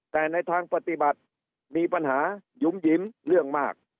แต่ในทางปฏิบัติมีปัญหาหยุ่มหยิมเรื่องมาก